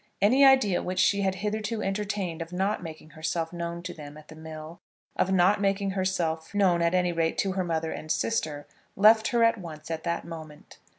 Any idea which she had hitherto entertained of not making herself known to them at the mill, of not making herself known at any rate to her mother and sister, left her at once at that moment.